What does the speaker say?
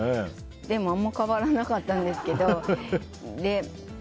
でもあんまり変わらなかったんですけど。